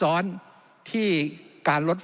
จำนวนเนื้อที่ดินทั้งหมด๑๒๒๐๐๐ไร่